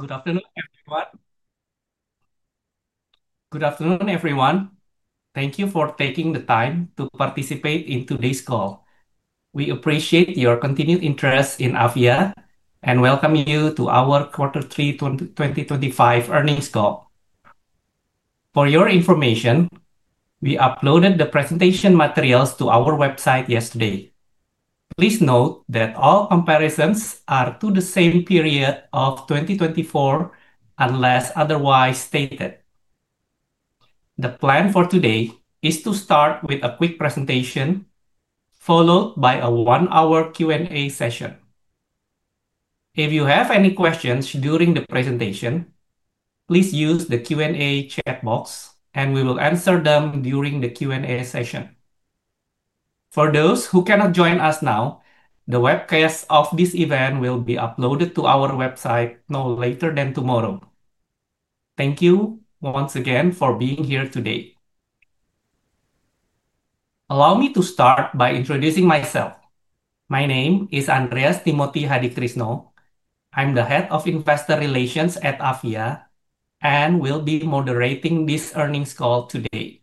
Good afternoon, everyone. Thank you for taking the time to participate in today's call. We appreciate your continued interest in Avia and welcome you to our Quarter 3 2025 Earnings Call. For your information, we uploaded the presentation materials to our website yesterday. Please note that all comparisons are to the same period of 2024, unless otherwise stated. The plan for today is to start with a quick presentation, followed by a one-hour Q&A session. If you have any questions during the presentation, please use the Q&A chat box, and we will answer them during the Q&A session. For those who cannot join us now, the webcast of this event will be uploaded to our website no later than tomorrow. Thank you once again for being here today. Allow me to start by introducing myself. My name is Andreas Timothy Hadikrisno. I'm the Head of Investor Relations at Avia and will be moderating this earnings call today.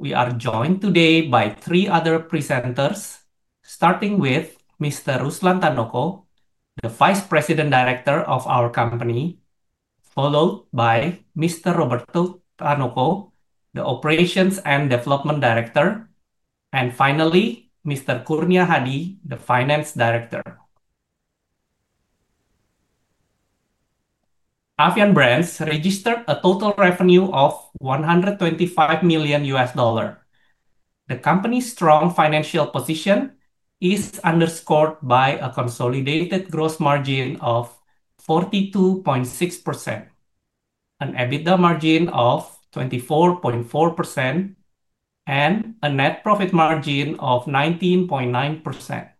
We are joined today by three other presenters, starting with Mr. Ruslan Tanoko, the Vice President Director of our company, followed by Mr. Robert Tanoko, the Operations and Development Director, and finally, Mr. Kurnia Hadi, the Finance Director. Avian Brands registered a total revenue of $125 million. The company's strong financial position is underscored by a consolidated gross margin of 42.6%, an EBITDA margin of 24.4%, and a net profit margin of 19.9%.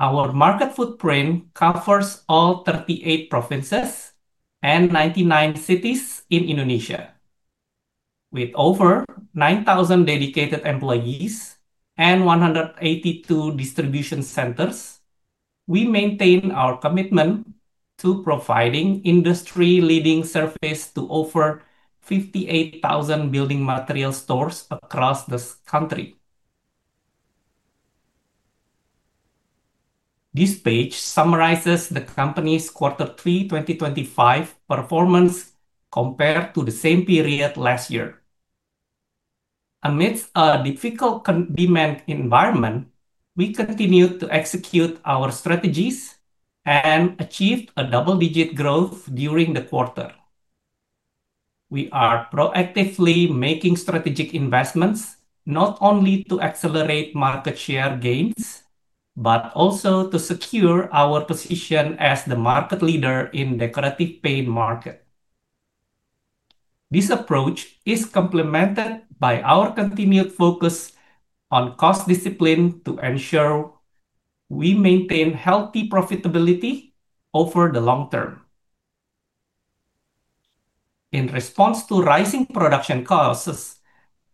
Our market footprint covers all 38 provinces and 99 cities in Indonesia. With over 9,000 dedicated employees and 182 distribution centers, we maintain our commitment to providing industry-leading service to over 58,000 building material stores across the country. This page summarizes the company's quarter 3 2025 performance compared to the same period last year. Amidst a difficult demand environment, we continued to execute our strategies and achieved a double-digit growth during the quarter. We are proactively making strategic investments not only to accelerate market share gains but also to secure our position as the market leader in the decorative paint market. This approach is complemented by our continued focus on cost discipline to ensure we maintain healthy profitability over the long term. In response to rising production costs,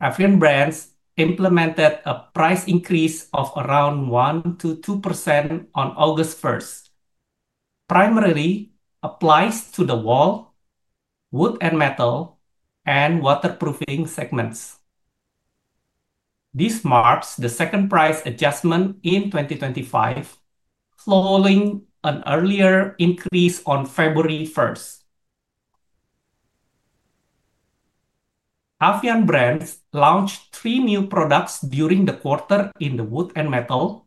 Avian Brands implemented a price increase of around 1%-2% on August 1st. This primarily applies to the wall, wood, metal, and waterproofing segments. This marks the second price adjustment in 2025, following an earlier increase on February 1st. Avian Brands launched three new products during the quarter in the wood and metal,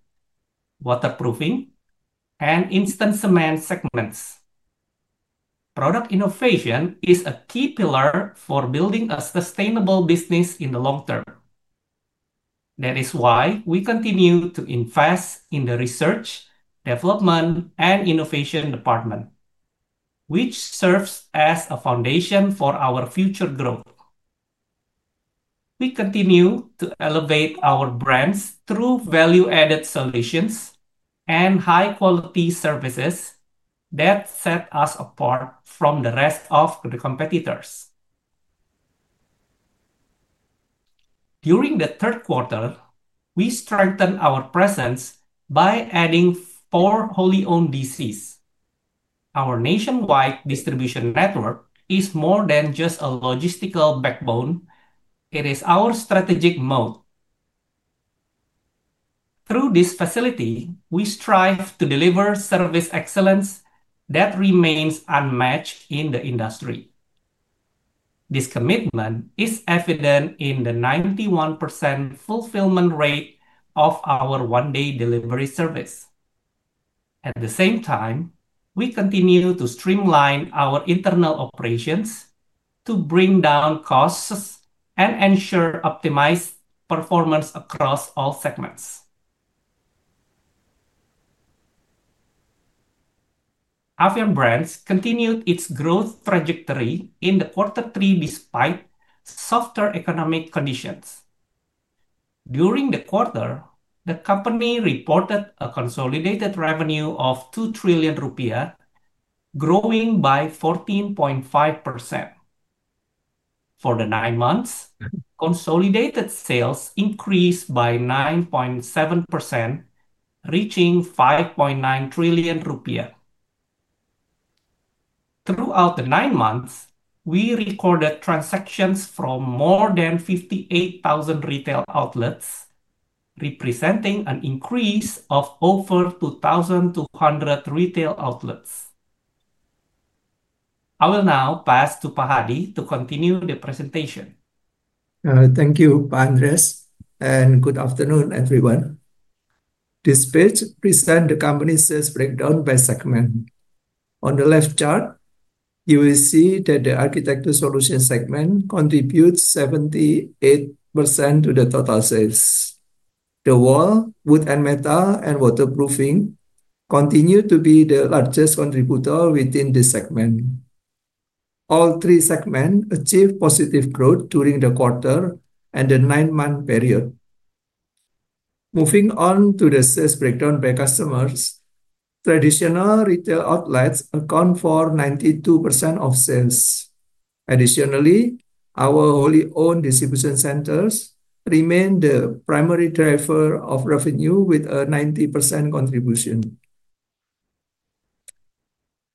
waterproofing, and instant cement segments. Product innovation is a key pillar for building a sustainable business in the long term. That is why we continue to invest in the research, development, and innovation department, which serves as a foundation for our future growth. We continue to elevate our brands through value-added solutions and high-quality services that set us apart from the rest of the competitors. During the third quarter, we strengthened our presence by adding four wholly owned DCs. Our nationwide distribution network is more than just a logistical backbone, it is our strategic moat. Through this facility, we strive to deliver service excellence that remains unmatched in the industry. This commitment is evident in the 91% fulfillment rate of our one-day delivery service. At the same time, we continue to streamline our internal operations to bring down costs and ensure optimized performance across all segments. Avian Brands continued its growth trajectory in quarter 3 despite softer economic conditions. During the quarter, the company reported a consolidated revenue of 2 trillion rupiah, growing by 14.5%. For the nine months, consolidated sales increased by 9.7%, reaching IDR 5.9 trillion. Throughout the nine months, we recorded transactions from more than 58,000 retail outlets, representing an increase of over 2,200 retail outlets. I will now pass to Pak Hadi to continue the presentation. Thank you, Pak Andreas, and good afternoon, everyone. This page presents the company sales breakdown by segment. On the left chart, you will see that the Architecture Solutions segment contributes 78% to the total sales. The wall, wood, metal, and waterproofing continue to be the largest contributor within this segment. All three segments achieved positive growth during the quarter and the nine-month period. Moving on to the sales breakdown by customers, traditional retail outlets account for 92% of sales. Additionally, our wholly owned distribution centers remain the primary driver of revenue with a 90% contribution.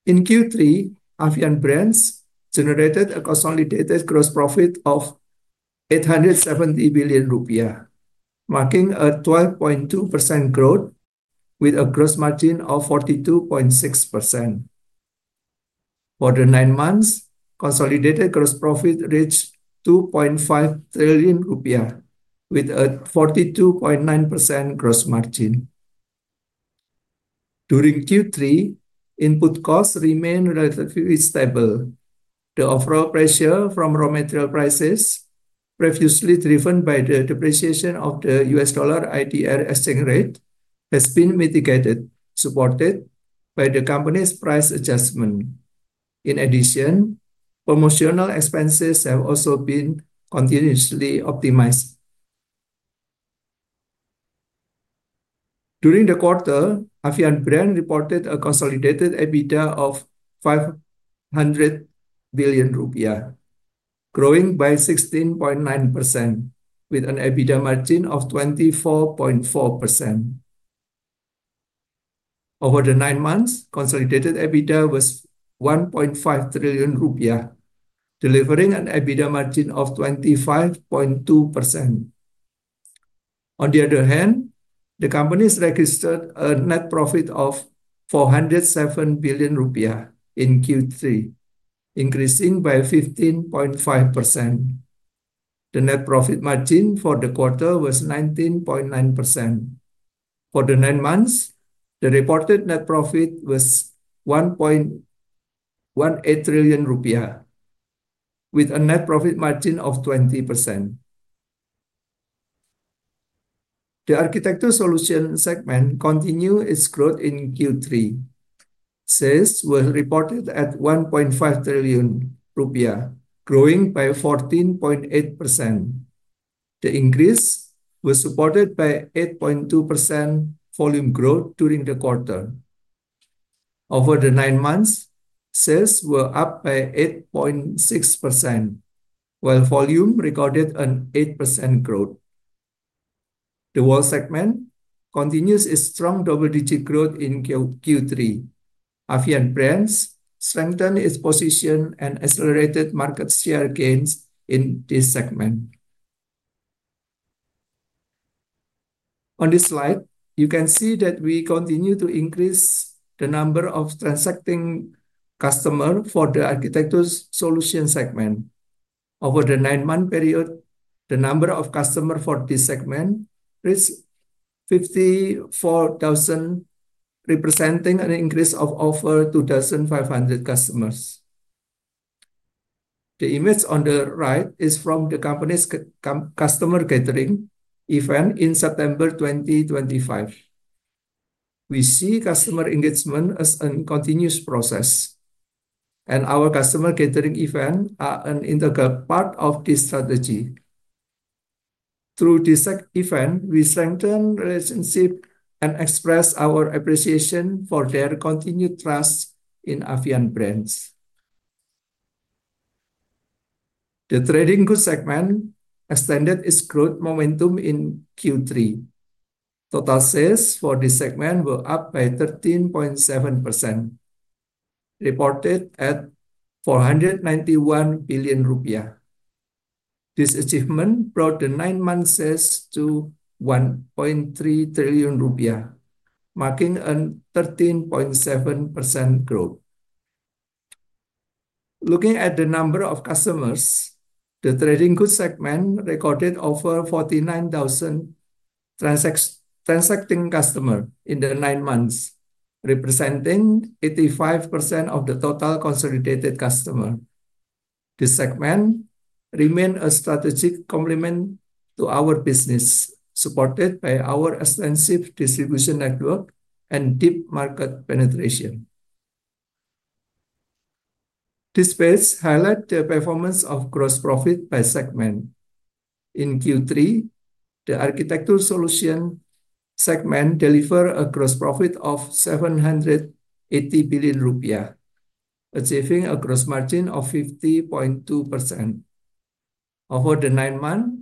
In Q3, Avian Brands generated a consolidated gross profit of 870 billion rupiah, marking a 12.2% growth with a gross margin of 42.6%. For the nine months, consolidated gross profit reached 2.5 trillion rupiah with a 42.9% gross margin. During Q3, input costs remained relatively stable. The overall pressure from raw material prices, previously driven by the depreciation of the U.S. dollar IDR exchange rate, has been mitigated, supported by the company's price adjustment. In addition, promotional expenses have also been continuously optimized. During the quarter, Avian Brands reported a consolidated EBITDA of 500 billion rupiah, growing by 16.9% with an EBITDA margin of 24.4%. Over the nine months, consolidated EBITDA was 1.5 trillion rupiah, delivering an EBITDA margin of 25.2%. On the other hand, the company registered a net profit of 407 billion rupiah in Q3, increasing by 15.5%. The net profit margin for the quarter was 19.9%. For the nine months, the reported net profit was 1.18 trillion rupiah with a net profit margin of 20%. The Architecture Solutions segment continued its growth in Q3. Sales were reported at 1.5 trillion rupiah, growing by 14.8%. The increase was supported by 8.2% volume growth during the quarter. Over the nine months, sales were up by 8.6%, while volume recorded an 8% growth. The wall segment continues its strong double-digit growth in Q3. Avian Brands strengthened its position and accelerated market share gains in this segment. On this slide, you can see that we continue to increase the number of transacting customers for the Architecture Solutions segment. Over the nine-month period, the number of customers for this segment reached 54,000, representing an increase of over 2,500 customers. The image on the right is from the company's customer gathering event in September 2025. We see customer engagement as a continuous process. Our customer gathering events are an integral part of this strategy. Through this event, we strengthen relationships and express our appreciation for their continued trust in Avian Brands. The Trading Goods segment extended its growth momentum in Q3. Total sales for this segment were up by 13.7%, reported at 491 billion rupiah. This achievement brought the nine-month sales to 1.3 trillion rupiah, marking a 13.7% growth. Looking at the number of customers, the Trading Goods segment recorded over 49,000 transacting customers in the nine months, representing 85% of the total consolidated customers. This segment remains a strategic complement to our business, supported by our extensive distribution network and deep market penetration. This page highlights the performance of gross profit by segment. In Q3, the Architecture Solutions segment delivered a gross profit of 780 billion rupiah, achieving a gross margin of 50.2%. Over the nine months,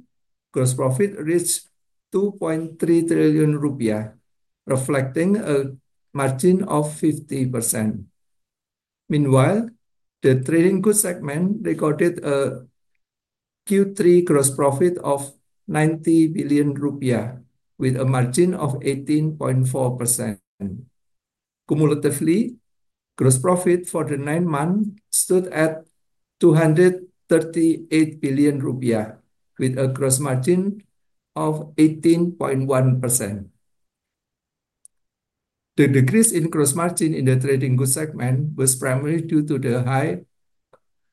gross profit reached 2.3 trillion rupiah, reflecting a margin of 50%. Meanwhile, the Trading Goods segment recorded a Q3 gross profit of 90 billion rupiah with a margin of 18.4%. Cumulatively, gross profit for the nine months stood at 238 billion rupiah with a gross margin of 18.1%. The decrease in gross margin in the Trading Goods segment was primarily due to the high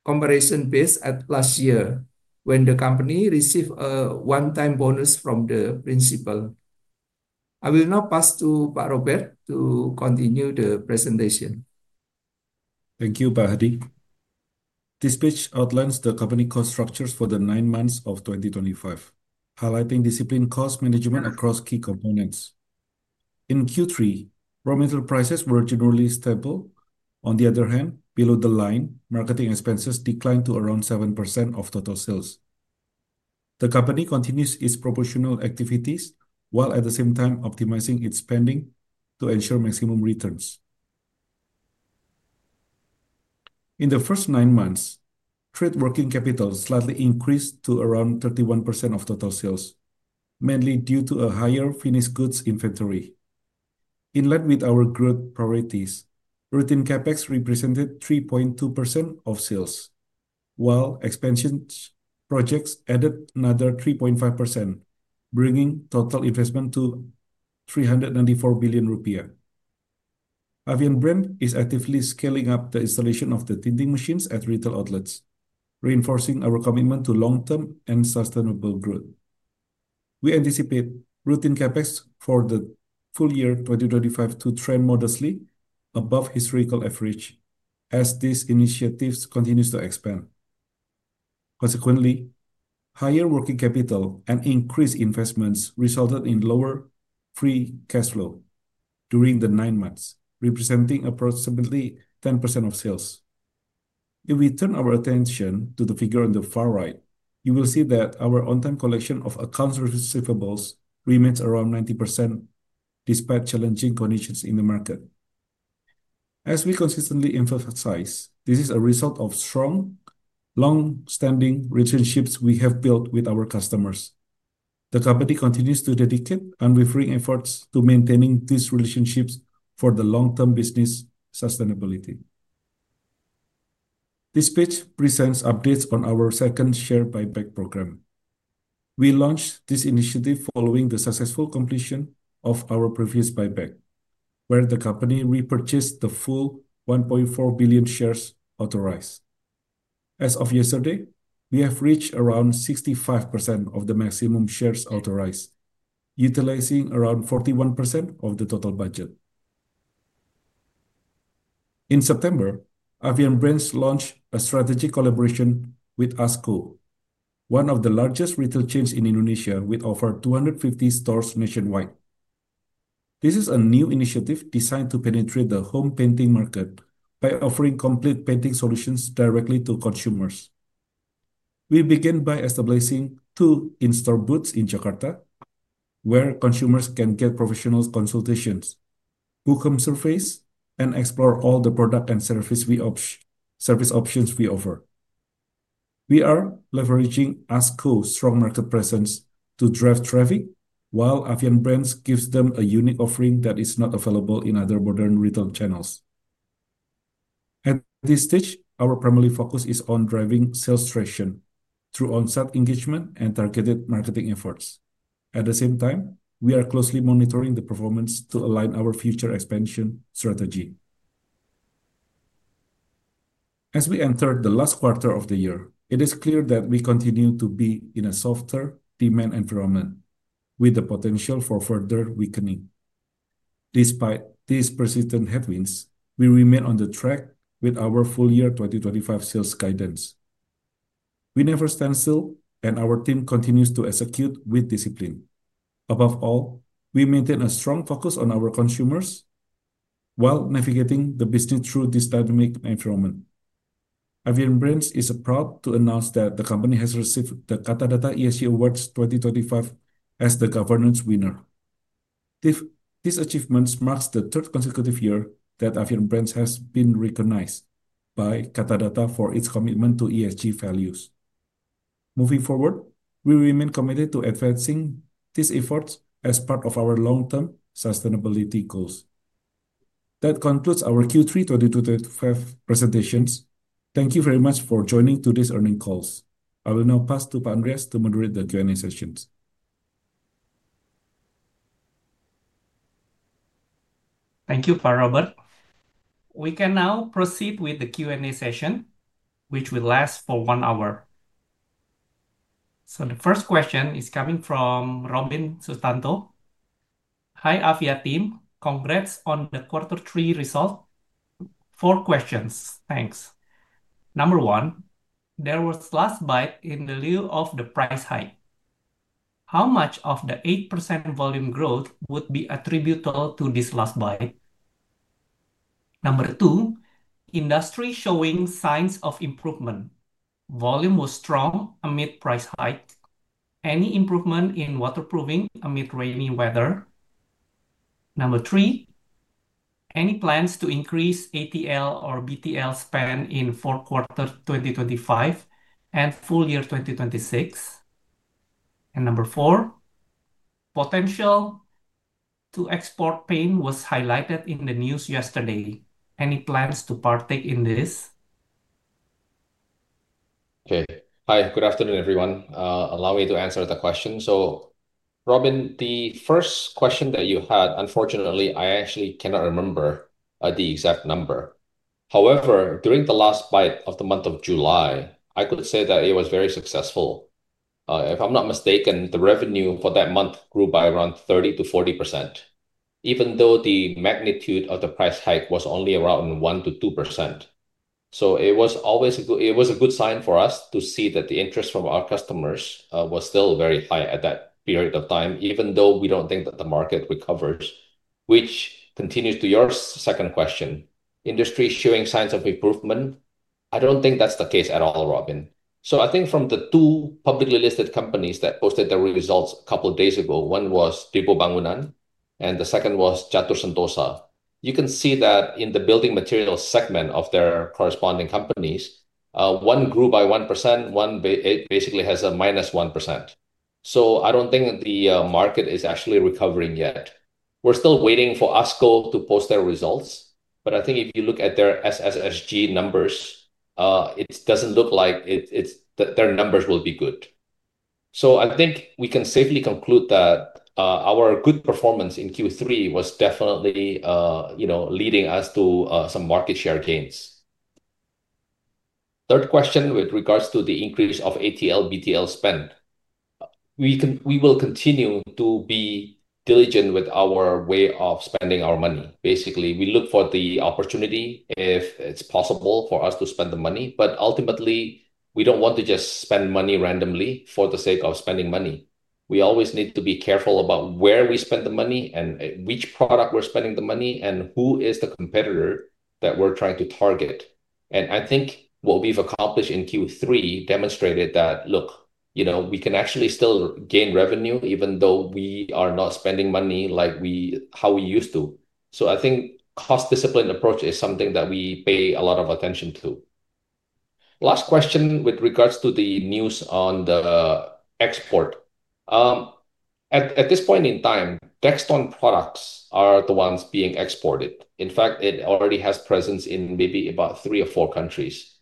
comparison base last year when the company received a one-time bonus from the principal. I will now pass to Pak Robert to continue the presentation. Thank you, Pak Hadi. This page outlines the company cost structures for the nine months of 2025, highlighting disciplined cost management across key components. In Q3, raw material prices were generally stable. On the other hand, below the line, marketing expenses declined to around 7% of total sales. The company continues its proportional activities while at the same time optimizing its spending to ensure maximum returns. In the first nine months, trade working capital slightly increased to around 31% of total sales, mainly due to a higher finished goods inventory. In line with our growth priorities, routine CapEx represented 3.2% of sales, while expansion projects added another 3.5%, bringing total investment to 394 billion rupiah. Avian Brands is actively scaling up the installation of the tinting machines at retail outlets, reinforcing our commitment to long-term and sustainable growth. We anticipate routine CapEx for the full year 2025 to trend modestly above historical average as these initiatives continue to expand. Consequently, higher working capital and increased investments resulted in lower free cash flow during the nine months, representing approximately 10% of sales. If we turn our attention to the figure on the far right, you will see that our on-time collection of accounts receivables remains around 90% despite challenging conditions in the market. As we consistently emphasize, this is a result of strong, long-standing relationships we have built with our customers. The company continues to dedicate unwavering efforts to maintaining these relationships for the long-term business sustainability. This page presents updates on our second share buyback program. We launched this initiative following the successful completion of our previous buyback, where the company repurchased the full 1.4 billion shares authorized. As of yesterday, we have reached around 65% of the maximum shares authorized, utilizing around 41% of the total budget. In September, Avian Brands launched a strategic collaboration with AZKO, one of the largest retail chains in Indonesia with over 250 stores nationwide. This is a new initiative designed to penetrate the home painting market by offering complete painting solutions directly to consumers. We began by establishing two in-store booths in Jakarta, where consumers can get professional consultations, boot camp surveys, and explore all the product and service options we offer. We are leveraging AZKO's strong market presence to drive traffic, while Avian Brands gives them a unique offering that is not available in other modern retail channels. At this stage, our primary focus is on driving sales traction through on-site engagement and targeted marketing efforts. At the same time, we are closely monitoring the performance to align our future expansion strategy. As we enter the last quarter of the year, it is clear that we continue to be in a softer demand environment with the potential for further weakening. Despite these persistent headwinds, we remain on the track with our full-year 2025 sales guidance. We never stand still, and our team continues to execute with discipline. Above all, we maintain a strong focus on our consumers while navigating the business through this dynamic environment. Avian Brands is proud to announce that the company has received the Katadata ESG Awards 2025 as the governance winner. This achievement marks the third consecutive year that Avian Brands has been recognized by Katadata for its commitment to ESG values. Moving forward, we remain committed to advancing these efforts as part of our long-term sustainability goals. That concludes our Q3 2025 presentations. Thank you very much for joining today's learning calls. I will now pass to Pak Andreas to moderate the Q&A sessions. Thank you, Pak Robert. We can now proceed with the Q&A session, which will last for one hour. So the first question is coming from Robin Sutanto. Hi, Avian team. Congrats on the quarter three result. Four questions. Thanks. Number one, there was a last buy in the lead of the price hike. How much of the 8% volume growth would be attributable to this last buy? Number two, industry showing signs of improvement. Volume was strong amid price hike. Any improvement in waterproofing amid rainy weather? Number three, any plans to increase ATL or BTL spend in four quarters 2025 and full year 2026? And number four, potential to export paint was highlighted in the news yesterday. Any plans to partake in this? Okay. Hi, good afternoon, everyone. Allow me to answer the question. Robin, the first question that you had, unfortunately, I actually cannot remember the exact number. However, during the last buy of the month of July, I could say that it was very successful. If I'm not mistaken, the revenue for that month grew by around 30%-40%, even though the magnitude of the price hike was only around 1%-2%. It was a good sign for us to see that the interest from our customers was still very high at that period of time, even though we don't think that the market recovers, which continues to your second question. Industry showing signs of improvement, I don't think that's the case at all, Robin. From the two publicly listed companies that posted their results a couple of days ago, one was Tigo Bangunan and the second was Jatu Sentosa. You can see that in the building materials segment of their corresponding companies, one grew by 1%, one basically has a -1%. I don't think the market is actually recovering yet. We're still waiting for AZKO to post their results, but I think if you look at their SSSG numbers, it doesn't look like their numbers will be good. So, I think we can safely conclude that our good performance in Q3 was definitely leading us to some market share gains. Third question with regards to the increase of ATL/BTL spend, we will continue to be diligent with our way of spending our money. Basically, we look for the opportunity if it's possible for us to spend the money, but ultimately, we don't want to just spend money randomly for the sake of spending money. We always need to be careful about where we spend the money and which product we're spending the money and who is the competitor that we're trying to target. And I think what we've accomplished in Q3 demonstrated that, look, you know we can actually still gain revenue even though we are not spending money like how we used to. So I think cost discipline approach is something that we pay a lot of attention to. Last question with regards to the news on the export. At this point in time, Dextone products are the ones being exported. In fact, it already has presence in maybe about three or four countries.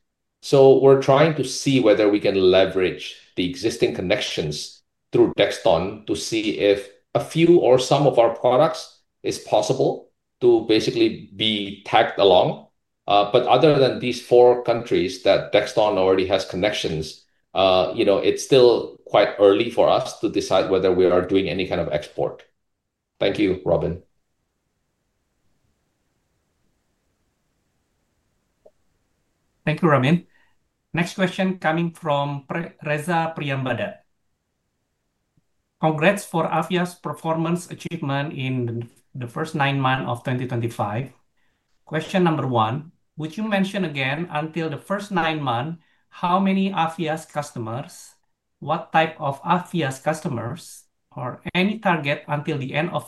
So we're trying to see whether we can leverage the existing connections through Dextone to see if a few or some of our products is possible to basically be tagged along. But other than these four countries that Dextone already has connections, you know it's still quite early for us to decide whether we are doing any kind of export. Thank you, Robin. Thank you, Robin. Next question coming from Reza Priyambada. Congrats for Avia's performance achievement in the first nine months of 2025. Question number one, would you mention again until the first nine months how many Avia's customers, what type of Avia's customers, or any target until the end of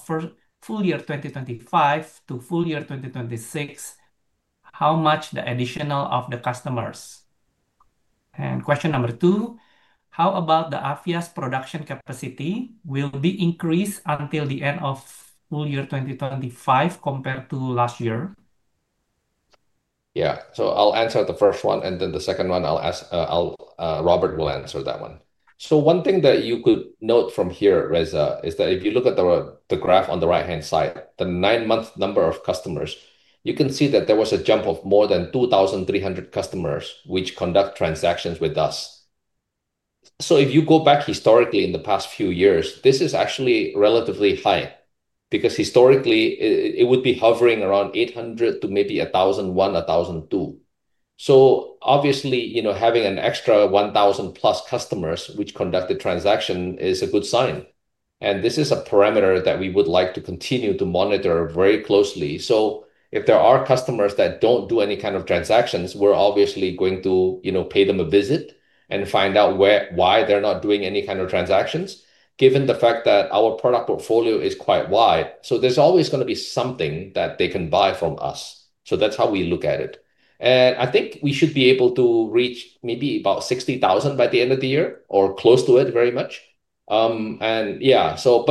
full year 2025 to full year 2026. How much the additional of the customers? Question number two, how about the Avia's production capacity will be increased until the end of full year 2025 compared to last year? Yeah, so I'll answer the first one and then the second one, Robert will answer that one. One thing that you could note from here, Reza, is that if you look at the graph on the right-hand side, the nine-month number of customers, you can see that there was a jump of more than 2,300 customers which conduct transactions with us. So if you go back historically in the past few years, this is actually relatively high because historically, it would be hovering around 800 to maybe 1,001, 1,002. So obviously, having an extra 1,000+ customers which conducted transaction is a good sign. This is a parameter that we would like to continue to monitor very closely. So if there are customers that don't do any kind of transactions, we're obviously going to pay them a visit and find out why they're not doing any kind of transactions given the fact that our product portfolio is quite wide. So there's always going to be something that they can buy from us. That's how we look at it. And I think we should be able to reach maybe about 60,000 by the end of the year or close to it very much. And yeah so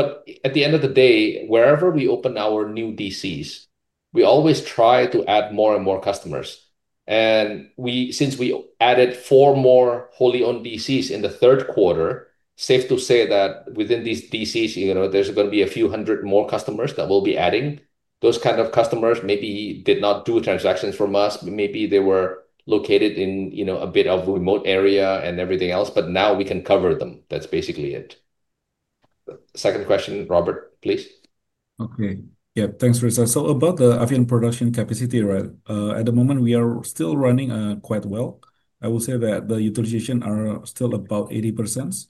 at the end of the day, wherever we open our new DCs, we always try to add more and more customers. Since we added four more wholly owned DCs in the third quarter, safe to say that within these DCs, there's going to be a few 100 more customers that we'll be adding. Those kind of customers maybe did not do transactions from us. Maybe they were located in a bit of a remote area and everything else, but now we can cover them. That's basically it. Second question, Robert, please. Okay. Yeah, thanks, Reza. So about the Avian production capacity, right? At the moment, we are still running quite well. I will say that the utilization is still about 80%.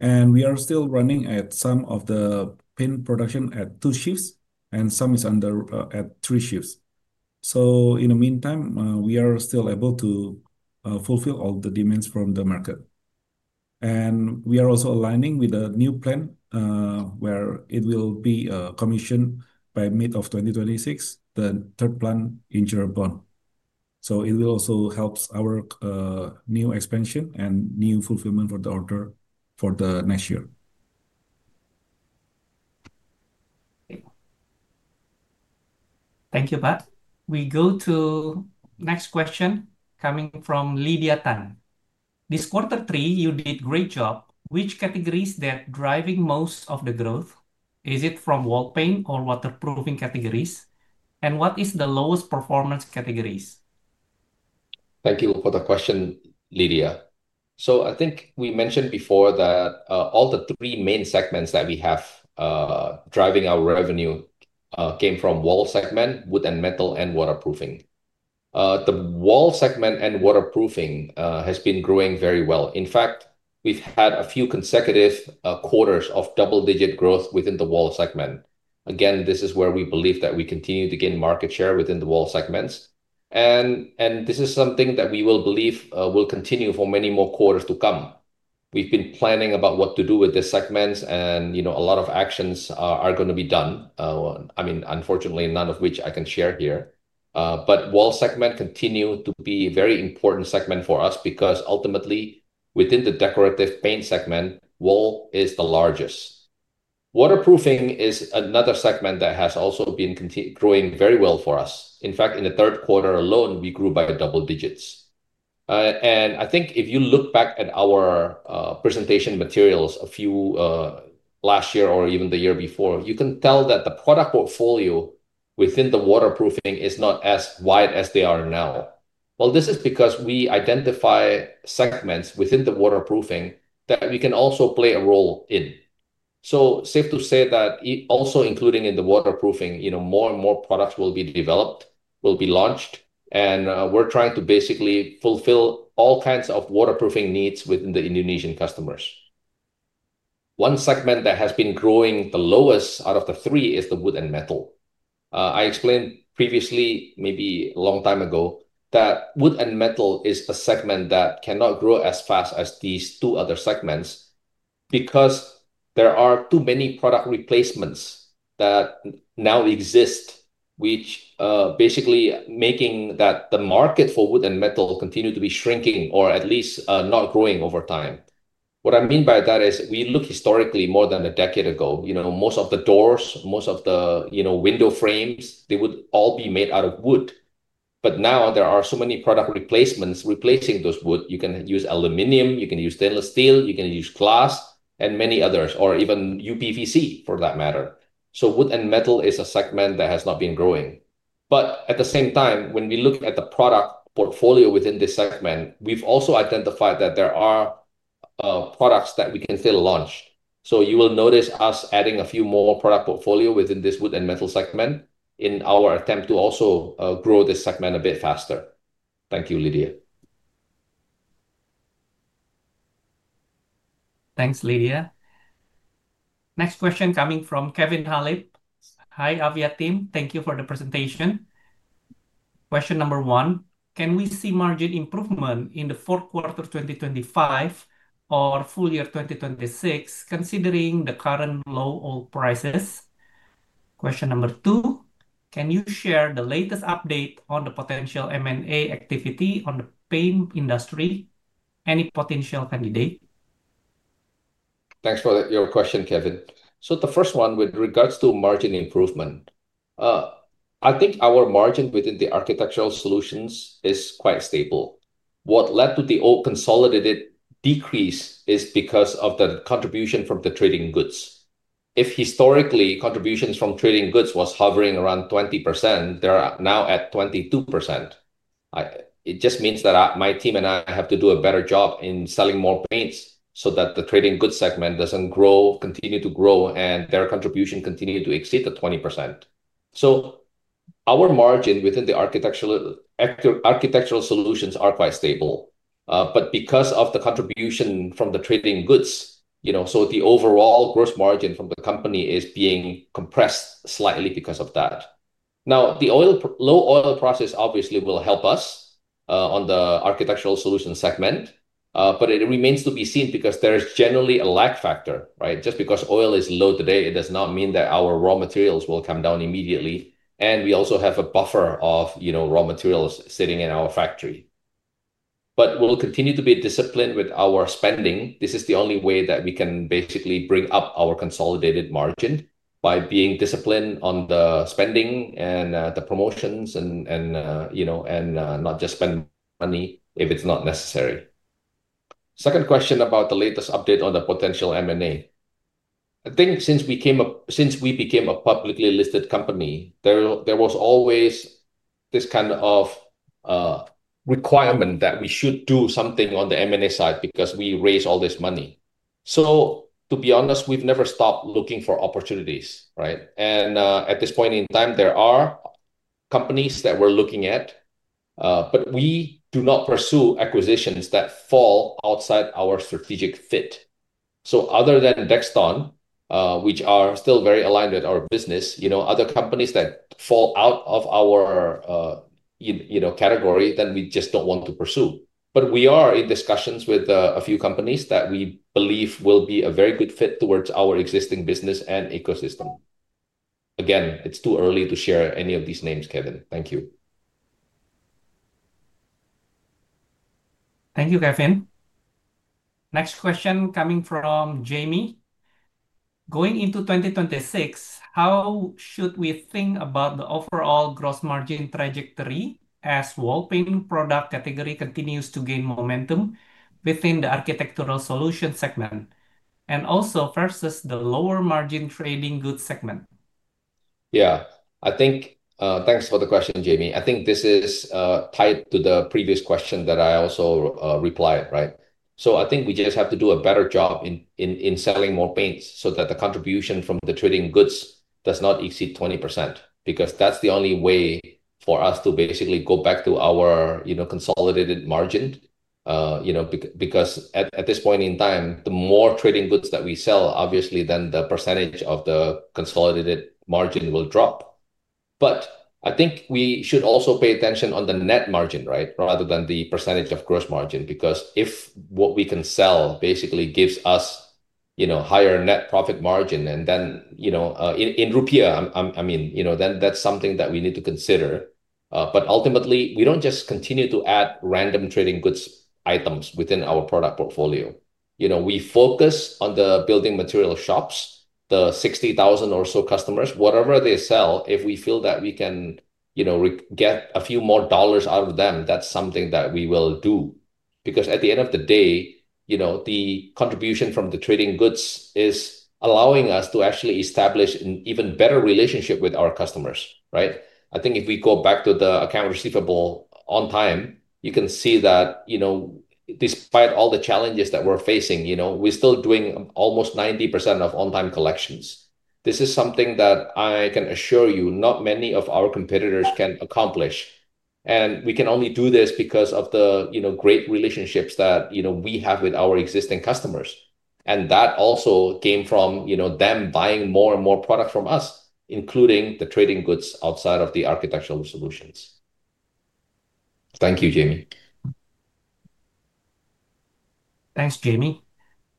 We are still running at some of the paint production at two shifts and some is under at three shifts. So in the meantime, we are still able to fulfill all the demands from the market. And we are also aligning with a new plan, where it will be commissioned by mid of 2026, the third plant in Cirebon. It will also help our new expansion and new fulfillment for the order for the next year. Thank you, Pat. We go to next question coming from Lydia Tan. This quarter three, you did a great job. Which categories that driving most of the growth? Is it from wall paint or waterproofing categories? And what is the lowest performance categories? Thank you for the question, Lydia. So I think we mentioned before that all the three main segments that we have driving our revenue came from wall segment, wood, and metal, and waterproofing. The wall segment and waterproofing have been growing very well. In fact, we've had a few consecutive quarters of double-digit growth within the wall segment. Again this is where we believe that we continue to gain market share within the wall segments. And this is something that we will believe will continue for many more quarters to come. We've been planning about what to do with these segments and a lot of actions are going to be done. Unfortunately, none of which I can share here. But wall segment continues to be a very important segment for us because ultimately, within the decorative paint segment, wall is the largest. Waterproofing is another segment that has also been growing very well for us. In fact, in the third quarter alone, we grew by double digits. And I think if you look back at our presentation materials last year or even the year before, you can tell that the product portfolio within the waterproofing is not as wide as they are now. This is because we identify segments within the waterproofing that we can also play a role in. So safe to say that also including in the waterproofing, more and more products will be developed, will be launched, and we're trying to basically fulfill all kinds of waterproofing needs within the Indonesian customers. One segment that has been growing the lowest out of the three is the wood and metal. I explained previously, maybe a long time ago, that wood and metal is a segment that cannot grow as fast as these two other segments because there are too many product replacements that now exist, which basically making that the market for wood and metal continue to be shrinking or at least not growing over time. What I mean by that is we look historically more than a decade ago. Most of the doors, most of the window frames, they would all be made out of wood. Now there are so many product replacements replacing those wood. You can use aluminum, you can use stainless steel, you can use glass, and many others, or even UPVC for that matter. Wood and metal is a segment that has not been growing. But at the same time, when we look at the product portfolio within this segment, we've also identified that there are products that we can still launch. So you will notice us adding a few more product portfolios within this wood and metal segment in our attempt to also grow this segment a bit faster. Thank you, Lydia. Thanks, Lydia. Next question coming from Kevin Halim. Hi, Avian team. Thank you for the presentation. Question number one, can we see margin improvement in the fourth quarter 2025 or full year 2026 considering the current low oil prices? Question number two, can you share the latest update on the potential M&A activity on the paint industry? Any potential candidate? Thanks for your question, Kevin. So the first one with regards to margin improvement. I think our margin within the Architecture Solutions is quite stable. What led to the consolidated decrease is because of the contribution from the Trading Goods. If historically contributions from Trading Goods were hovering around 20%, they are now at 22%. It just means that my team and I have to do a better job in selling more paints so that the Trading Goods segment doesn't continue to grow, and their contribution continues to exceed the 20%. So our margin within the Architecture Solutions is quite stable. But because of the contribution from the Trading Goods, the overall gross margin from the company is being compressed slightly because of that. Now the low oil prices obviously will help us on the Architecture Solutions segment, but it remains to be seen because there is generally a lag factor, right? Just because oil is low today, it does not mean that our raw materials will come down immediately. We also have a buffer of raw materials sitting in our factory. But we'll continue to be disciplined with our spending. This is the only way that we can basically bring up our consolidated margin by being disciplined on the spending and the promotions and not just spend money if it's not necessary. Second question about the latest update on the potential M&A. I think since we became a publicly listed company, there was always this kind of requirement that we should do something on the M&A side because we raised all this money. So to be honest, we've never stopped looking for opportunities, right? And at this point in time, there are companies that we're looking at. But we do not pursue acquisitions that fall outside our strategic fit. So other than Dextone, which is still very aligned with our business, other companies that fall out of our category, we just don't want to pursue. We are in discussions with a few companies that we believe will be a very good fit towards our existing business and ecosystem. Again, it's too early to share any of these names, Kevin. Thank you. Thank you, Kevin. Next question coming from Jamie. Going into 2026, how should we think about the overall gross margin trajectory as wall painting product category continues to gain momentum within the Architecture Solutions segment and also versus the lower-margin Trading Goods segment? Yeah, I think thanks for the question, Jamie. I think this is tied to the previous question that I also replied, right? I think we just have to do a better job in selling more paints so that the contribution from the Trading Goods does not exceed 20% because that's the only way for us to basically go back to our, you know, consolidated margin, you know, because at this point in time, the more Trading Goods that we sell, obviously, then the percentage of the consolidated margin will drop. But I think we should also pay attention on the net margin, right, rather than the percentage of gross margin because if what we can sell basically gives us, you know, higher net profit margin and then, you know, in rupiah, I mean, you know, then that's something that we need to consider. Ultimately, we don't just continue to add random Trading Goods items within our product portfolio. You know we focus on the building material shops, the 60,000 or so customers, whatever they sell. If we feel that we can, you know, get a few more dollars out of them, that's something that we will do. Because at the end of the day, the contribution from the Trading Goods is allowing us to actually establish an even better relationship with our customers, right? I think if we go back to the account receivable on time, you can see that, you know, despite all the challenges that we're facing, we're still doing almost 90% of on-time collections. This is something that I can assure you not many of our competitors can accomplish. And we can only do this because of the, you know, great relationships that we have with our existing customers. That also came from them buying more and more products from us, including the Trading Goods outside of the Architecture Solutions. Thank you, Jamie. Thanks, Jamie.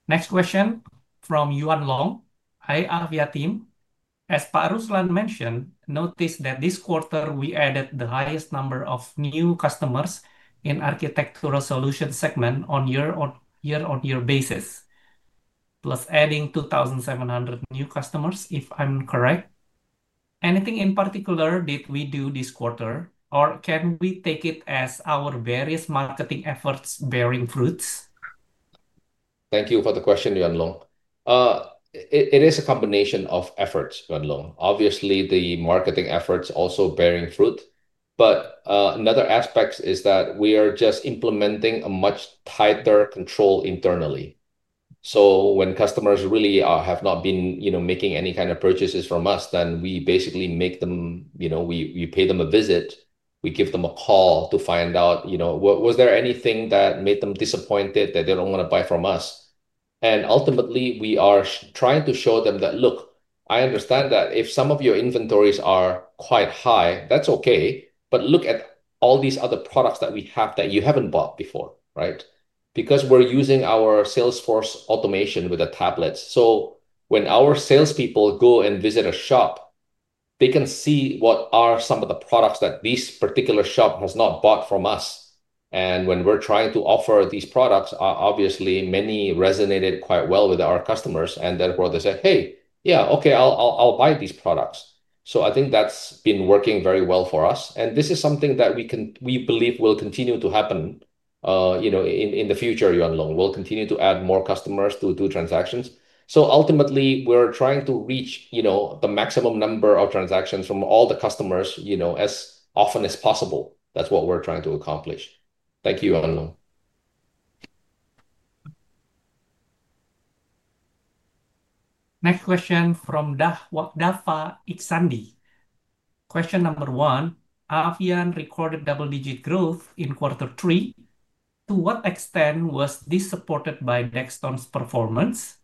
Next question from Yuan Long. Hi, Avia team. As Ruslan mentioned, notice that this quarter we added the highest number of new customers in the Architecture Solutions segment on a year-on-year basis. Plus adding 2,700 new customers, if I'm correct. Anything in particular did we do this quarter, or can we take it as our various marketing efforts bearing fruits? Thank you for the question, Yuan Long. It is a combination of efforts, Yuan Long. Obviously, the marketing efforts are also bearing fruit. But another aspect is that we are just implementing a much tighter control internally. So when customers really have not been making any kind of purchases from us, then we basically make them, you know, we pay them a visit. We give them a call to find out, you know, was there anything that made them disappointed that they don't want to buy from us? And ultimately, we are trying to show them that, look, I understand that if some of your inventories are quite high, that's okay. But look at all these other products that we have that you haven't bought before, right? Because we are using our Salesforce automation with the tablets. When our salespeople go and visit a shop, they can see what are some of the products that this particular shop has not bought from us. And when we're trying to offer these products, obviously, many resonated quite well with our customers. Therefore, they said, hey, yeah, okay, I'll buy these products. So I think that's been working very well for us. This is something that we believe will continue to happen. In the future, Yuan Long, we'll continue to add more customers to do transactions. So ultimately, we're trying to reach, you know, the maximum number of transactions from all the customers, you know, as often as possible. That's what we're trying to accomplish. Thank you, Yuan Long. Next question from Dafa Iksandi. Question number one, Avian recorded double-digit growth in quarter three. To what extent was this supported by Dextone's performance?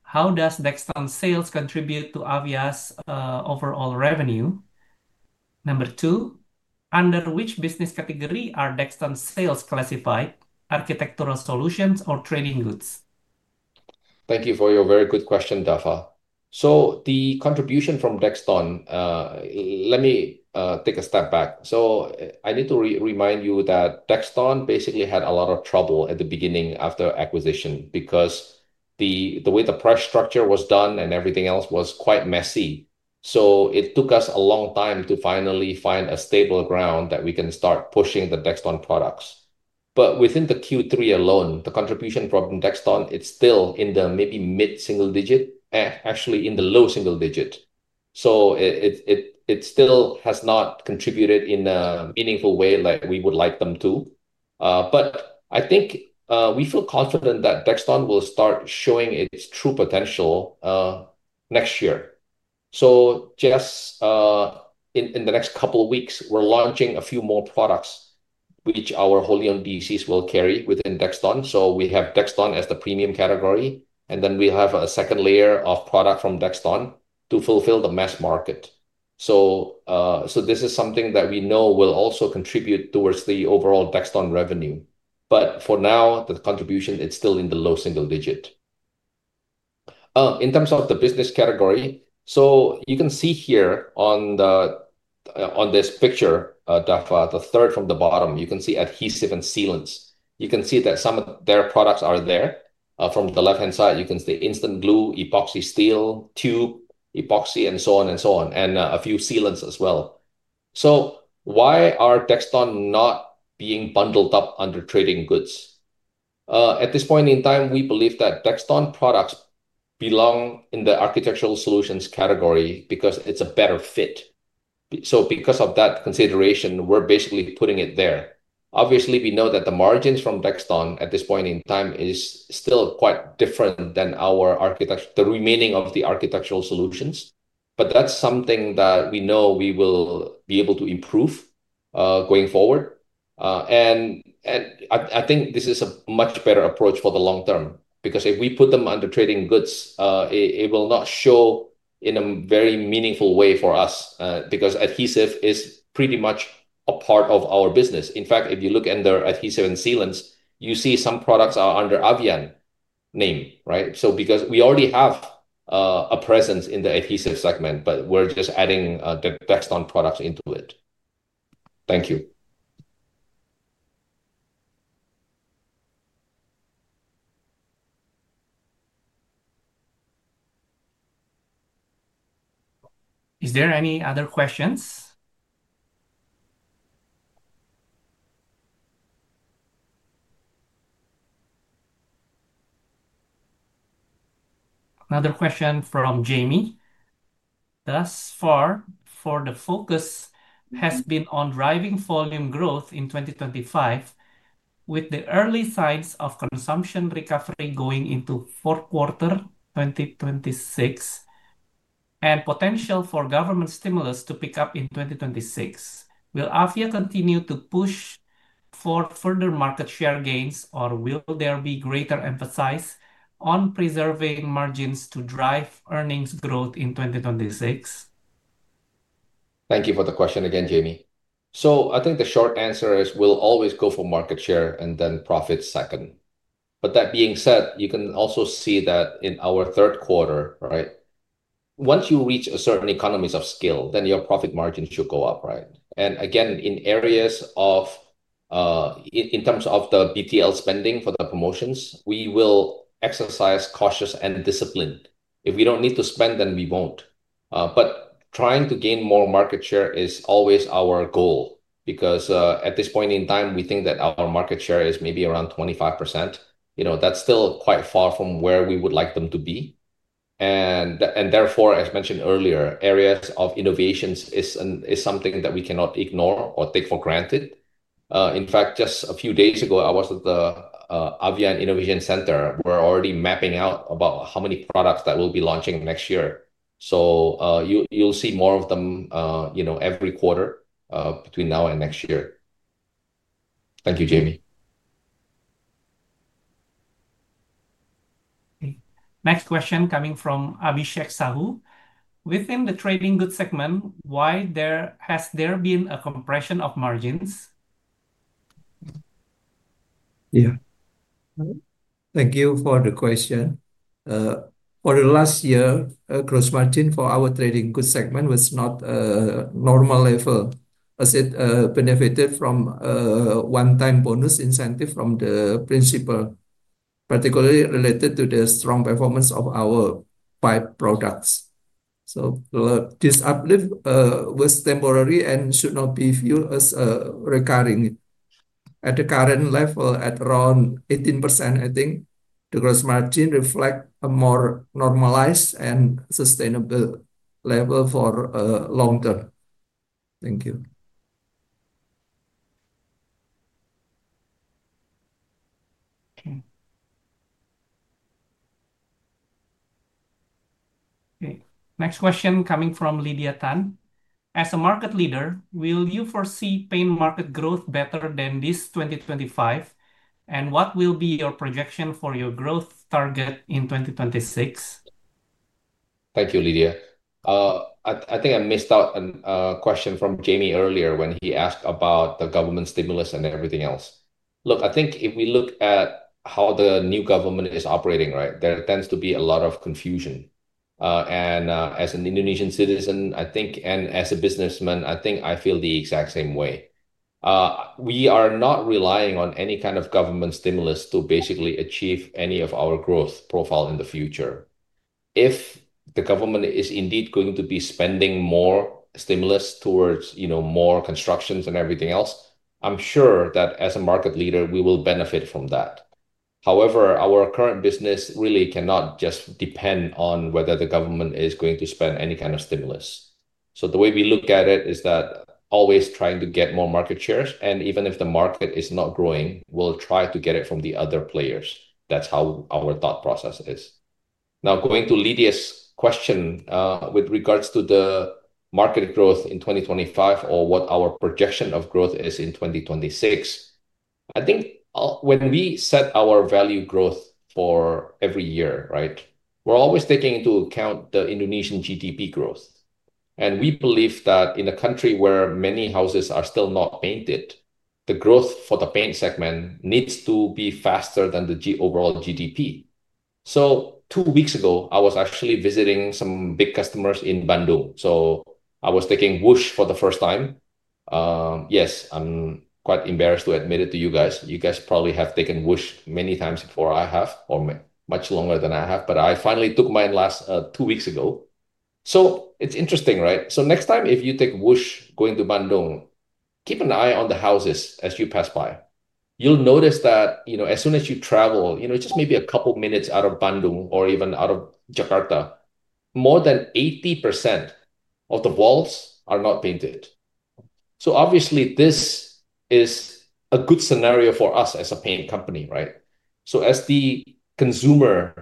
How does Dextone sales contribute to Avian's overall revenue? Number two, under which business category are Dextone sales classified, Architecture Solutions or Trading Goods? Thank you for your very good question, Dafa. The contribution from Dextone—let me take a step back. I need to remind you that Dextone basically had a lot of trouble at the beginning after acquisition because the way the price structure was done and everything else was quite messy. It took us a long time to finally find a stable ground that we can start pushing the Dextone products. But within Q3 alone, the contribution from Dextone is still in the maybe mid single-digit, actually in the low single-digit. It still has not contributed in a meaningful way like we would like them to. I think we feel confident that Dextone will start showing its true potential next year. So yes in the next couple of weeks, we're launching a few more products which our wholly owned DCs will carry within Dextone. So we have Dextone as the premium category, and then we have a second layer of product from Dextone to fulfill the mass market. So this is something that we know will also contribute towards the overall Dextone revenue. For now, the contribution is still in the low single-digit. In terms of the business category, so you can see here on this picture, Dafa, the third from the bottom, you can see adhesive and sealants. You can see that some of their products are there. From the left-hand side, you can see instant glue, epoxy steel, tube epoxy, and so on, and a few sealants as well. Why are Dextone not being bundled up under Trading Goods? At this point in time, we believe that Dextone products belong in the Architecture Solutions category because it's a better fit. Because of that consideration, we're basically putting it there. Obviously, we know that the margins from Dextone at this point in time are still quite different than our remaining Architecture Solutions. That's something that we know we will be able to improve going forward. And I think this is a much better approach for the long-term because if we put them under Trading Goods, it will not show in a very meaningful way for us because adhesive is pretty much a part of our business. In fact, if you look under adhesive and sealants, you see some products are under Avian name, right? Because we already have a presence in the adhesive segment, but we're just adding the Dextone products into it. Thank you. Is there any other questions? Another question from Jamie. Thus far, the focus has been on driving volume growth in 2025, with the early signs of consumption recovery going into fourth quarter 2026 and potential for government stimulus to pick up in 2026. Will Avian continue to push for further market share gains, or will there be greater emphasis on preserving margins to drive earnings growth in 2026? Thank you for the question again, Jamie. So I think the short answer is we'll always go for market share and then profit second. That being said, you can also see that in our third quarter, right? Once you reach a certain economies of scale, then your profit margin should go up, right? In terms of the BTL spending for the promotions, we will exercise cautious and disciplined. If we don't need to spend, then we won't. But trying to gain more market share is always our goal because at this point in time, we think that our market share is maybe around 25%. You know that's still quite far from where we would like them to be. Therefore, as mentioned earlier, areas of innovations is something that we cannot ignore or take for granted. In fact, just a few days ago, I was at the Avian Innovation Center. We're already mapping out about how many products that we'll be launching next year. So you'll see more of them every quarter between now and next year. Thank you, Jamie. Next question coming from Abhishek Sahu. Within the Trading Goods segment, why has there been a compression of margins? Yeah. Thank you for the question. For the last year, gross margin for our Trading Goods segment was not a normal level, as it benefited from a one-time bonus incentive from the principal, particularly related to the strong performance of our pipe products. This uplift was temporary and should not be viewed as recurring. At the current level, at around 18%, I think the gross margin reflects a more normalized and sustainable level for a long-term. Thank you. Okay. Next question coming from Lydia Tan. As a market leader, will you foresee paint market growth better than this 2025? What will be your projection for your growth target in 2026? Thank you, Lydia. I think I missed out a question from Jamie earlier when he asked about the government stimulus and everything else. Look, I think if we look at how the new government is operating, there tends to be a lot of confusion. And as an Indonesian citizen, and as a businessman, I think I feel the exact same way. We are not relying on any kind of government stimulus to basically achieve any of our growth profile in the future. If the government is indeed going to be spending more stimulus towards more constructions and everything else, I'm sure that as a market leader, we will benefit from that. However, our current business really cannot just depend on whether the government is going to spend any kind of stimulus. So the way we look at it is that we are always trying to get more market shares. Even if the market is not growing, we'll try to get it from the other players. That's how our thought process is. Now, going to Lydia's question with regards to the market growth in 2025 or what our projection of growth is in 2026, I think when we set our value growth for every year, we're always taking into account the Indonesian GDP growth. We believe that in a country where many houses are still not painted, the growth for the paint segment needs to be faster than the overall GDP. So two weeks ago, I was actually visiting some big customers in Bandung. I was taking Whoosh for the first time. Yes, I'm quite embarrassed to admit it to you guys. You guys probably have taken Whoosh many times before I have, or much longer than I have. I finally took mine last two weeks ago. So it's interesting, right? Next time, if you take Whoosh going to Bandung, keep an eye on the houses as you pass by. You'll notice that as soon as you travel, it's just maybe a couple of minutes out of Bandung or even out of Jakarta, more than 80% of the walls are not painted. So obviously, this is a good scenario for us as a paint company, right? So as the consumer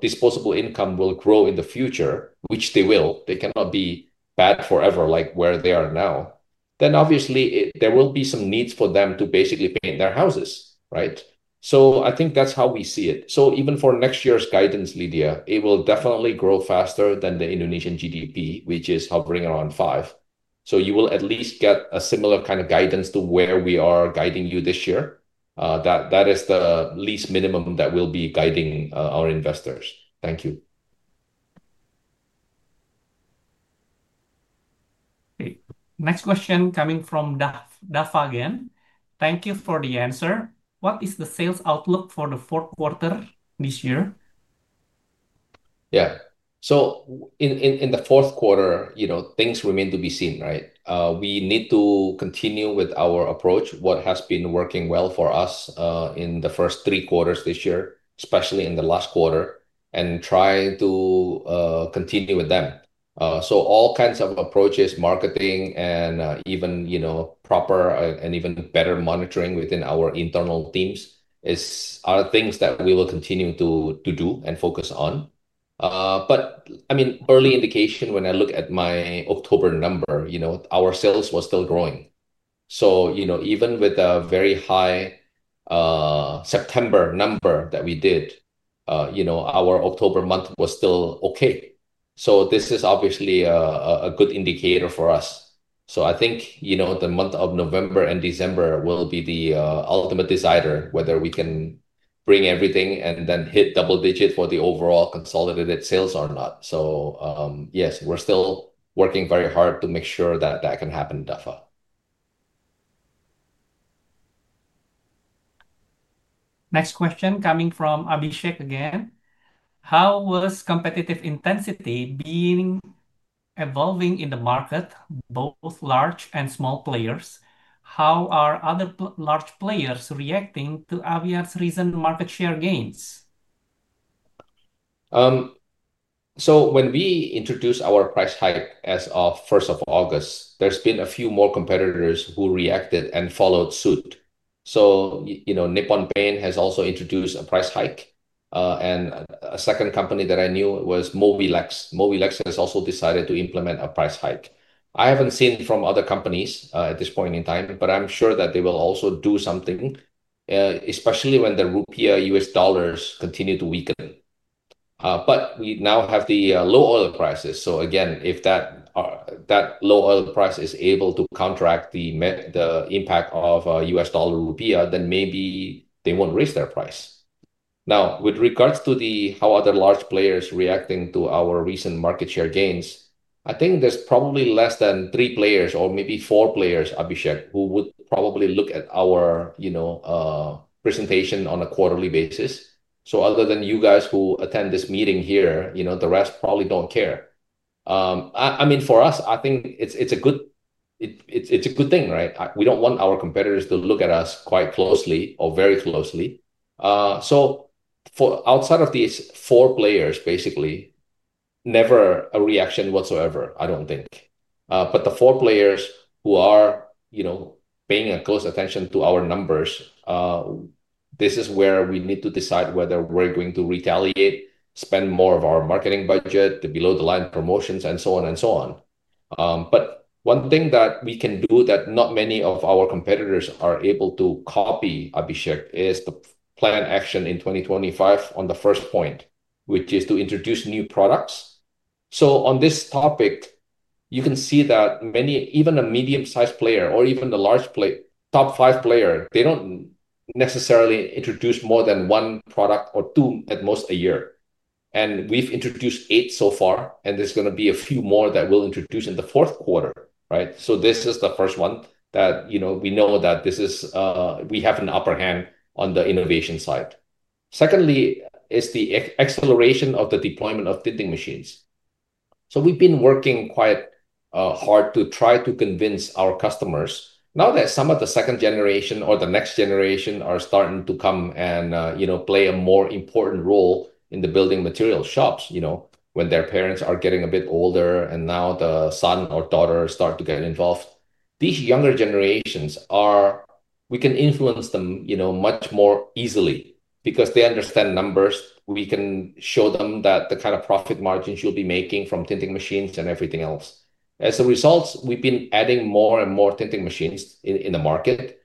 disposable income will grow in the future, which they will, they cannot be bad forever like where they are now, then obviously there will be some needs for them to basically paint their houses, right? I think that's how we see it. So even for next year's guidance, Lydia, it will definitely grow faster than the Indonesian GDP, which is hovering around 5%. You will at least get a similar kind of guidance to where we are guiding you this year. That is the least minimum that we'll be guiding our investors. Thank you. Okay. Next question coming from Dafa again. Thank you for the answer. What is the sales outlook for the fourth quarter this year? Yeah. So in the fourth quarter, things remain to be seen, right? We need to continue with our approach, what has been working well for us in the first three quarters this year, especially in the last quarter, and try to continue with them. So all kinds of approaches, marketing, and even proper and even better monitoring within our internal teams are things that we will continue to do and focus on. But I mean, early indication when I look at my October number, our sales were still growing. So you know even with a very high September number that we did, our October month was still okay. So this is obviously a good indicator for us. I think the month of November and December will be the ultimate decider whether we can bring everything and then hit double-digit for the overall consolidated sales or not. Yes, we're still working very hard to make sure that that can happen, Dafa. Next question coming from Abhishek again. How was competitive intensity been evolving in the market, both large and small players? How are other large players reacting to Avia's recent market share gains? When we introduced our price hike as of 1st of August, there's been a few more competitors who reacted and followed suit. So you know, Nippon Paint has also introduced a price hike. And a second company that I knew was Mowilex. Mowilex has also decided to implement a price hike. I haven't seen from other companies at this point in time, but I'm sure that they will also do something, especially when the Rupiah-U.S. dollars continue to weaken. But we now have the low oil prices. So again if that low oil price is able to counteract the impact of U.S. dollar-Rupiah, then maybe they won't raise their price. With regards to how other large players are reacting to our recent market share gains, I think there's probably less than three players or maybe four players, Abhishek, who would probably look at our presentation on a quarterly basis. Other than you guys who attend this meeting here, the rest probably don't care. I mean for us, I think it's a good thing, right? We don't want our competitors to look at us quite closely or very closely. So for outside of these four players, basically, never a reaction whatsoever, I don't think. But the four players who are paying close attention to our numbers, this is where we need to decide whether we're going to retaliate, spend more of our marketing budget, the below-the-line promotions, and so on and so on. One thing that we can do that not many of our competitors are able to copy, Abhishek, is the planned action in 2025 on the first point, which is to introduce new products. So on this topic, you can see that many, even a medium-sized player or even the large top-five player, they don't necessarily introduce more than one product or two at most a year. And we've introduced eight so far, and there's going to be a few more that we'll introduce in the fourth quarter, right? So this is the first one that we know that we have an upper hand on the innovation side. Secondly is the acceleration of the deployment of tinting machines. We've been working quite hard to try to convince our customers. Now that some of the second generation or the next generation are starting to come and play a more important role in the building material shops, when their parents are getting a bit older and now the son or daughter start to get involved. These younger generations are, we can influence them much more easily because they understand numbers. We can show them that the kind of profit margin you'll be making from tinting machines and everything else. As a result, we've been adding more and more tinting machines in the market.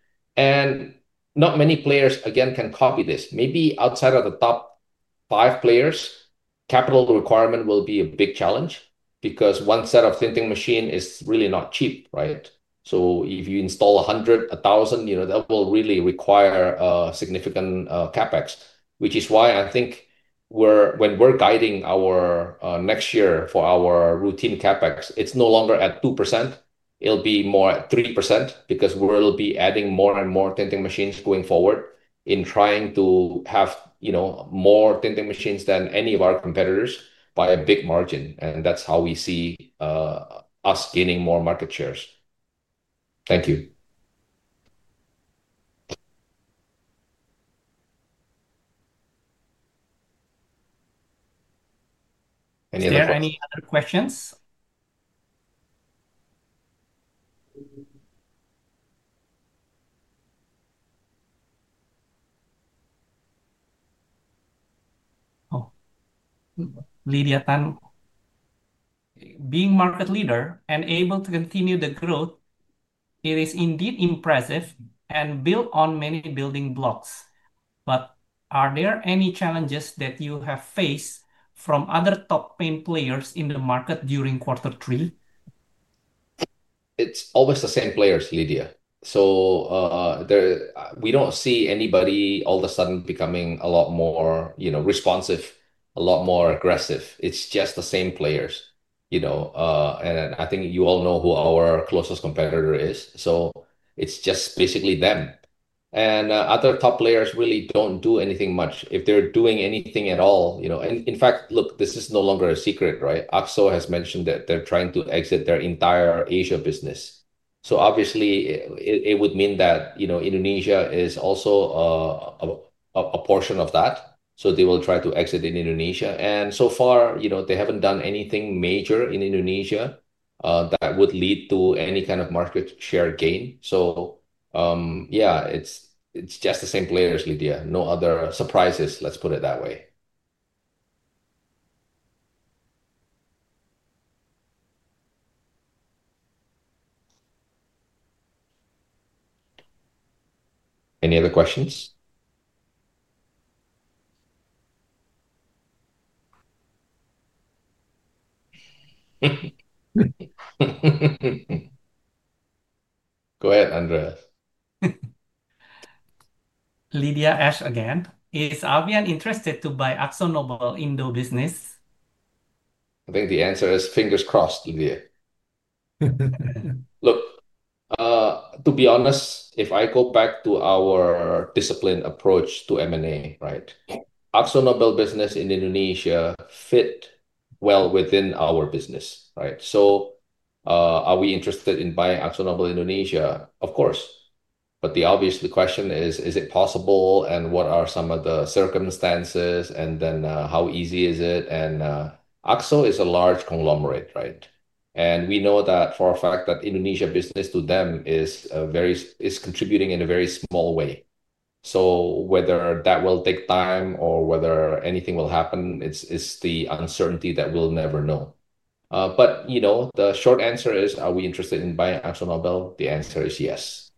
Not many players, again, can copy this. Maybe outside of the top five players, capital requirement will be a big challenge because one set of tinting machines is really not cheap, right? If you install 100, 1,000, that will really require a significant CapEx, which is why I think when we're guiding our next year for our routine CapEx, it's no longer at 2%. It'll be more at 3% because we'll be adding more and more tinting machines going forward in trying to have more tinting machines than any of our competitors by a big margin. That's how we see us gaining more market shares. Thank you. Is there any other questions? Oh. Lydia Tan. Being market leader and able to continue the growth. It is indeed impressive and built on many building blocks. Are there any challenges that you have faced from other top paint players in the market during quarter three? It's always the same players, Lydia. We don't see anybody all of a sudden becoming a lot more, you know, responsive, a lot more aggressive. It's just the same players, you know. I think you all know who our closest competitor is. It's just basically them. Other top players really don't do anything much, if they're doing anything at all. In fact, look, this is no longer a secret, right? AkzoNobel Indonesia has mentioned that they're trying to exit their entire Asia business. Obviously, it would mean that Indonesia is also a portion of that. They will try to exit in Indonesia. So far, you know, they haven't done anything major in Indonesia that would lead to any kind of market share gain. It's just the same players, Lydia. No other surprises, let's put it that way. Any other questions? Go ahead, Andreas. Lydia asked again, is Avian interested to buy AkzoNobel Indonesia in the business? I think the answer is fingers crossed, Lydia. Look. To be honest, if I go back to our disciplined approach to M&A, right? AkzoNobel business in Indonesia fits well within our business, right? So, are we interested in buying AkzoNobel Indonesia? Of course. The obvious question is, is it possible? What are some of the circumstances? And then how easy is it? Akzo is a large conglomerate, right? And we know that for a fact that Indonesia business to them is contributing in a very small way. So whether that will take time or whether anything will happen is the uncertainty that we'll never know. But you know the short answer is, are we interested in buying AkzoNobel? The answer is yes.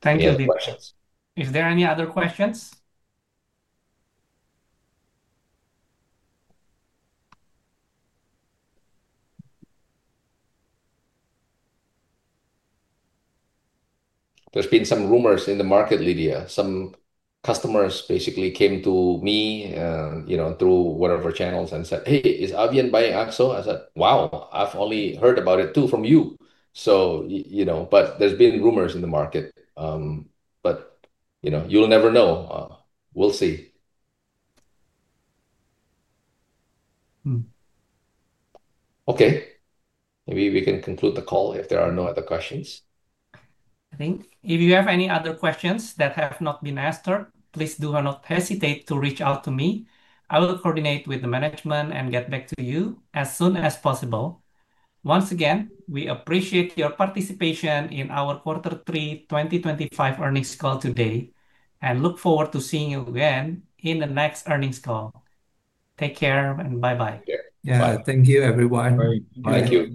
Thank you, Lydia. Is there any other questions? There's been some rumors in the market, Lydia. Some customers basically came to me, you know, through whatever channels and said, "Hey, is Avian buying Akzo?" I said, "Wow, I've only heard about it too from you." There's been rumors in the market. But you never know. We'll see. Okay, maybe we can conclude the call if there are no other questions. I think if you have any other questions that have not been answered, please do not hesitate to reach out to me. I will coordinate with the management and get back to you as soon as possible. Once again, we appreciate your participation in our quarter three 2025 earnings call today and look forward to seeing you again in the next earnings call. Take care and bye-bye. Yeah. Bye. Thank you, everyone. Thank you.